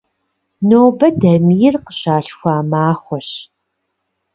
Нобэ Дамир къыщалъхуа махуэщ.